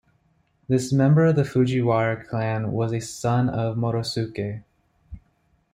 This member of the Fujiwara clan was a son of Morosuke.